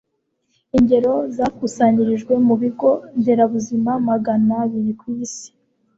Ingero zakusanyirijwe mu bigo nderabuzima magana abiri ku isi